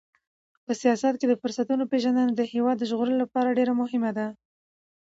په سیاست کې د فرصتونو پیژندنه د هېواد د ژغورلو لپاره ډېره مهمه ده.